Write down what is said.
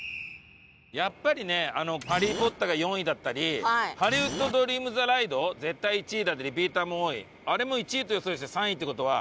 やっぱりねあのハリー・ポッターが４位だったりハリウッド・ドリーム・ザ・ライド絶対１位だってリピーターも多いあれも１位と予想して３位って事は。